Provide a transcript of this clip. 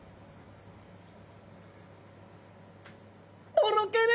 とろける！